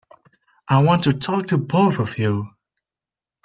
I want to talk to both of you.